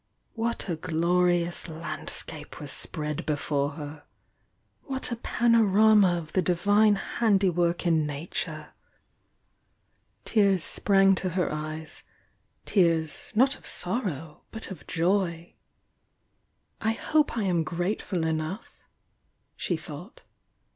What a glorious landscape was spread Leioix her! — what a panorama of the Divine handiwork in Nature! Tears sprang to her eyes — tears, not of sorrow, but of joy. "I hope I am grateful enough!" she thought.